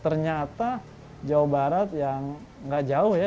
ternyata jawa barat yang nggak jauh ya